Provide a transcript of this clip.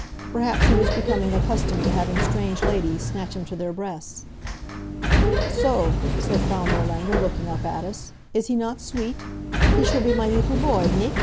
Perhaps he was becoming accustomed to having strange ladies snatch him to their breasts. "So," said Frau Nirlanger, looking up at us. "Is he not sweet? He shall be my lee tel boy, nicht?